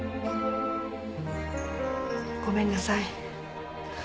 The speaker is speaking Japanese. ごめんなさい。